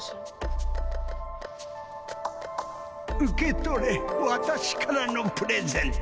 受け取れ私からのプレゼント。